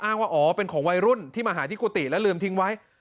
ว่าอ๋อเป็นของวัยรุ่นที่มาหาที่กุฏิแล้วลืมทิ้งไว้